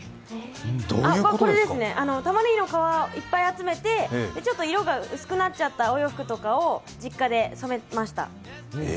これですね、たまねぎの皮いっぱい集めてちょっと色が薄くなっちゃったお洋服とかを実家で染めました。